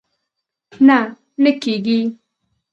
نه، نه کېږي